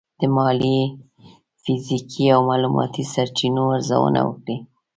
د مالي، فزیکي او معلوماتي سرچینو ارزونه وکړئ.